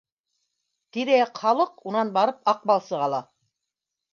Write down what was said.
Тирә-яҡ халыҡ унан барып аҡбалсыҡ ала